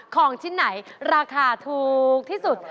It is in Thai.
ของชิ้นไหนราคาถูกที่สุด